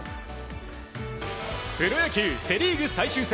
プロ野球、セ・リーグ最終戦。